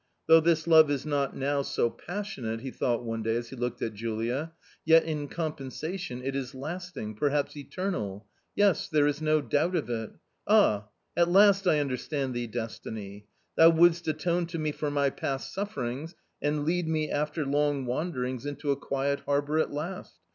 " Though this love is not now so passionate," he thought one day, as he looked at Julia, " yet in compensation it is last ing, perhaps eternal ! Yes, there is no doubt of it. Ah, at last I understand thee, Destiny ! Thou wouldst atone to me for my past sufferings and lead me, after long wanderings, into a quiet harbour at last.